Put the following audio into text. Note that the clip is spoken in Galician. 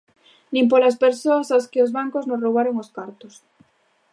Nin polas persoas aos que os bancos nos roubaron os cartos.